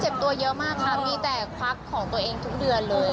ตัวเยอะมากค่ะมีแต่ควักของตัวเองทุกเดือนเลย